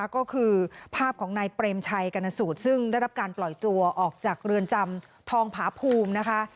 ก็คือภาพของนายเปรมชัยกรณสูตรซึ่งได้รับการปล่อยตัวออกจากเรือนจำทองผาภูมินะคะ